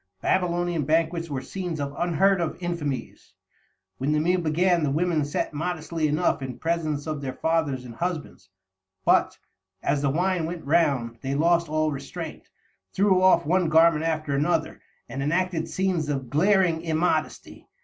Babylonian banquets were scenes of unheard of infamies. When the meal began, the women sat modestly enough in presence of their fathers and husbands; but, as the wine went round, they lost all restraint, threw off one garment after another, and enacted scenes of glaring immodesty.